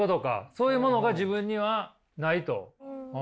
そういうものが自分にはないと？